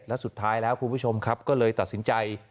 และสุดท้ายแล้วคุณผู้ชมครับก็เลยตัดสินใจ